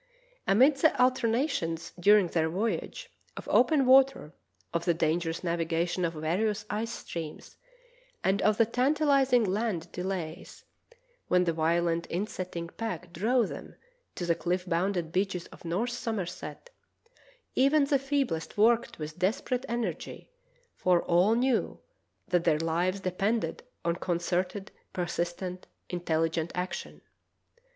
Amid the alternations during their voyage, of open water, of the dangerous navigation of various ice streams, and of the tantahzing land delays, when the violent insetting pack drove them to the cliff bounded beaches of North Somerset, even the feeblest worked with desperate energy, for all knew that their lives depended on concerted, persistent, intelligent action.